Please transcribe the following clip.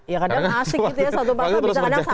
ya kadang asik gitu ya satu dua jam gitu kan